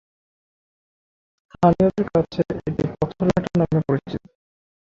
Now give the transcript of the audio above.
স্থানীয়দের কাছে এটি পাথরঘাটা নামে পরিচিত।